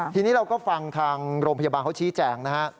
ทีนี้เราก็ฟังทางโรงพยาบาลเขาชี้แจงนะฮะ